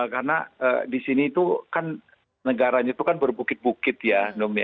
karena di sini tuh kan negaranya tuh kan berbukit bukit ya